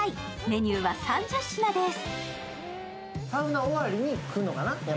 メニューは３０品です。